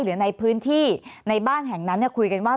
หรือในพื้นที่ในบ้านแห่งนั้นคุยกันว่า